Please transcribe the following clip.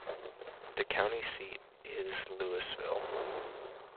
The county seat is Lewisville.